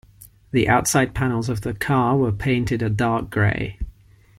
The outside panels of the car were painted a dark grey.